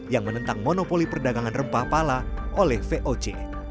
yang menentang monopoli perdagangan rempah pala oleh voc